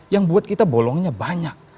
yang buat kita bolongnya banyak